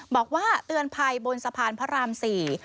บอกว่าเตือนภัยบนสะพานพระรามสี่